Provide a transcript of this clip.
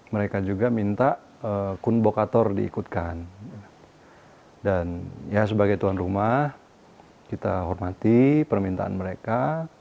mereka juga minta kun bokator diikutkan dan ya sebagai tuan rumah kita hormati permintaan mereka